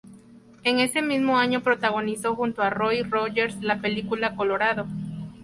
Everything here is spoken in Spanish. En ese mismo año, coprotagonizó junto a Roy Rogers la película Colorado.